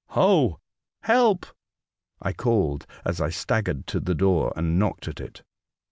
Ho! help!" I called, as I staggered to the door, and knocked at it.